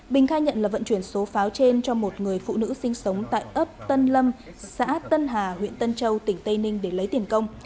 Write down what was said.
bình khai nhận là vận chuyển số pháo trên cho một người phụ nữ sinh sống tại ấp tân lâm xã tân hà huyện tân châu tỉnh tây ninh để lấy tiền công